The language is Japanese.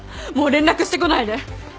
もう連絡してこないで。